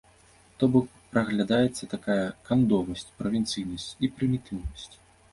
То бок, праглядаецца такая кандовасць, правінцыйнасць і прымітыўнасць.